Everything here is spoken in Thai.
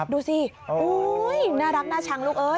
ดูสิน่ารักน่าชังลูกเอ้ย